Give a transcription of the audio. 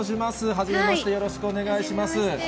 はじめまして、よろしくお願いします。